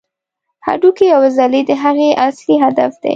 هډوکي او عضلې د هغې اصلي هدف دي.